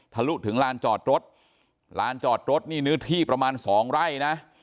ลุถึงลานจอดรถลานจอดรถนี่เนื้อที่ประมาณสองไร่นะ